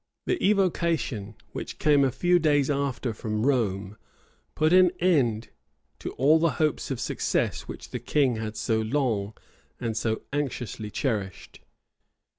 The evocation, which came a few days after from Rome, put an end to all the hopes of success which the king had so long and so anxiously cherished.